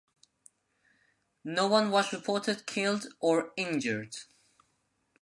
No one was reported killed or injured.